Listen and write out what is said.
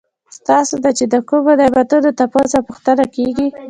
ستاسو نه چې د کومو نعمتونو تپوس او پوښتنه کيږي